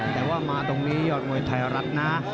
แต่ว่ามาตรงนี้ยอดมวยไทยรัฐนะ